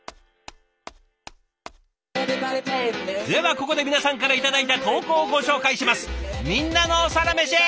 ではここで皆さんから頂いた投稿をご紹介します。